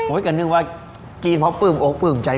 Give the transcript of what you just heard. โอ๊ยกระนึกว่ากินเพราะปื้มอกปื้มใจ